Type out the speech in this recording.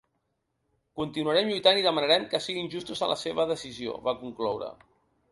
Continuarem lluitant i demanarem que siguin justos en la seva decisió, va concloure.